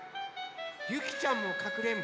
ゆきちゃんもかくれんぼ？